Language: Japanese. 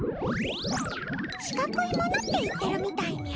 四角いものって言ってるみたいみゃ。